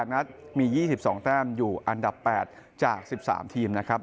นัดมี๒๒แต้มอยู่อันดับ๘จาก๑๓ทีมนะครับ